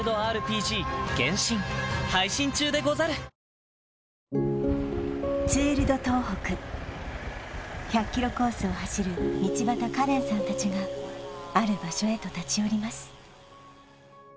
ＪＴツール・ド・東北１００ｋｍコースを走る道端カレンさん達がある場所へと立ち寄ります